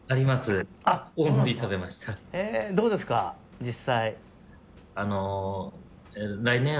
実際。